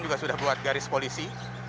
juga sudah buat garis polisi